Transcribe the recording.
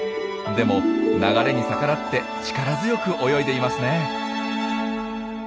でも流れに逆らって力強く泳いでいますね。